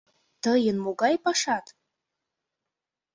Тыйын могай пашат?